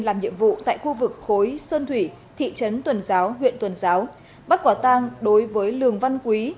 làm nhiệm vụ tại khu vực khối sơn thủy thị trấn tuần giáo huyện tuần giáo bắt quả tang đối với lường văn quý